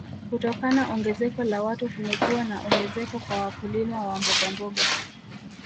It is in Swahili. Kutokana ongezeko la watu kumekuwa na ongezeko kwa wakulima wa mbogamboga